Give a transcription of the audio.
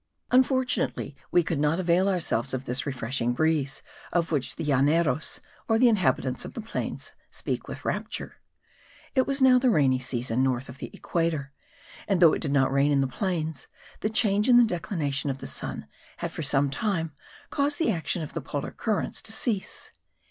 Unfortunately, we could not avail ourselves of this refreshing breeze, of which the Llaneros, or the inhabitants of the plains, speak with rapture. It was now the rainy season north of the equator; and though it did not rain in the plains, the change in the declination of the sun had for some time caused the action of the polar currents to cease.